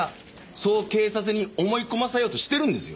そう警察に思い込ませようとしてるんですよ。